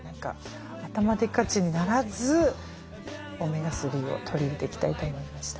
頭でっかちにならずオメガ３を取り入れていきたいと思いました。